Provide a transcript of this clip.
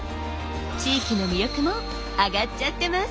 地域の魅力もあがっちゃってます。